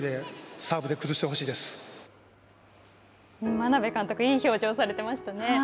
眞鍋監督、いい表情をされていました。